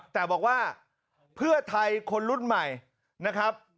แต่บอกว่าเพื่อไทยคนรุ่นใหม่นะครับ